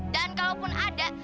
dan kalaupun ada